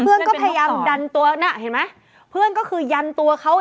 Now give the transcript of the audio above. เพื่อนก็พยายามดันตัวน่ะเห็นไหมเพื่อนก็คือยันตัวเขา